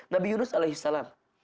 nabi yunus alaihi salam